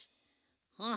うん。